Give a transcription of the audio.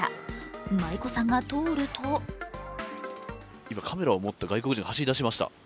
舞子さんが通ると今、カメラを持った外国人が走り出しました。